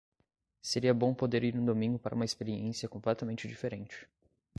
Seria bom poder ir no domingo para uma experiência completamente diferente.